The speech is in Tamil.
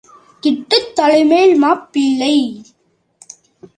கிட்டு தலைமேல் மாப்பிள்ளை.